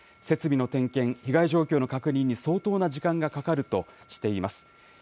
設備の点検、被害状況の確認に相当な時間がかかるとしています。